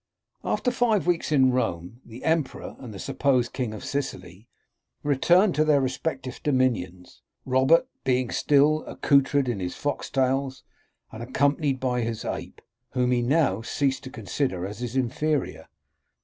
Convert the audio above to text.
After five weeks in Rome, the emperor, and the supposed king of Sicily, returned to their respective dominions, Robert being still accoutred in his fox tails, and accompanied by his ape, whom he now ceased to consider as his inferior.